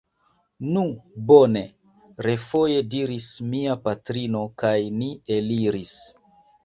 Nu, bone! refoje diris mia patrino kaj ni eliris.